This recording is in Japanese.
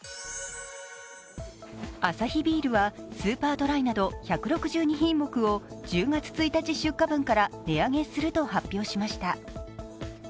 アサヒビールはスーパードライなど１６２品目を１０月１日出荷分から値上げすると発表しました。